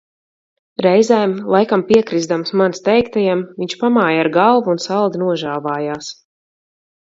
Reizēm laikam piekrizdams manis teiktajam, viņš pamāja ar galvu un saldi nožāvājās.